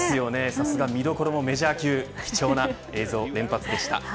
さすが見どころもメジャー級貴重な映像、連発でした。